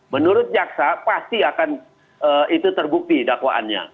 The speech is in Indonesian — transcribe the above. menurut jaksa pasti akan itu terbukti dakwaannya